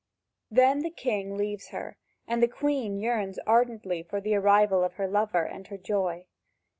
Then the king leaves her, and the Queen yearns ardently for the arrival of her lover and her joy.